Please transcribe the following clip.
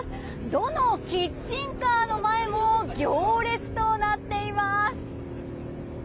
どのキッチンカーの前も行列となっています。